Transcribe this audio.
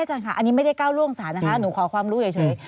อาจารย์ค่ะอันนี้ไม่ได้ก้าวล่วงศาลนะคะหนูขอความรู้เฉย